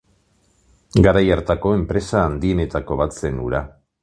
Garai hartako enpresa handienetako bat zen hura.